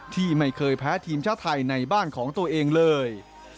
ที่ไม่เคยแพ้ทีมชาติไทยในบ้านของตัวเองเลย